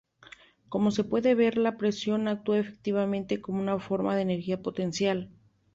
Como se puede ver, la presión actúa efectivamente como una forma de energía potencial.